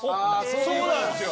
そうなんですよ！